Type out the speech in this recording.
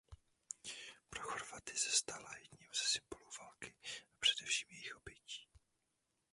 Pro Chorvaty se stala jedním ze symbolů války a především jejích obětí.